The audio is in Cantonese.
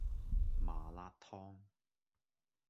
麻辣燙